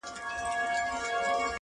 و دربار ته یې حاضر کئ بېله ځنډه.